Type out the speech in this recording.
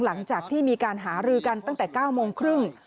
หลังจากที่มีการหารือกันตั้งแต่๙โมงครึ่ง